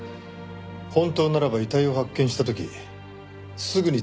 本当ならば遺体を発見した時すぐに通報すればよかった。